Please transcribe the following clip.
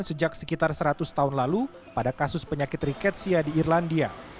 sejak sekitar seratus tahun lalu pada kasus penyakit riketsia di irlandia